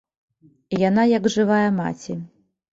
Яна як жывая маці.